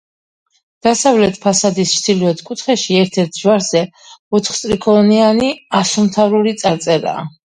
დასავლეთ ფასადის ჩრდილოეთ კუთხეში ერთ-ერთ ჯვარზე ოთხსტრიქონიანი ასომთავრული წარწერაა.